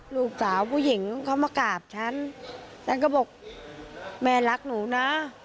ลูกสาวผู้หญิงเขามากราบฉันฉันก็บอกแม่รักหนูนะ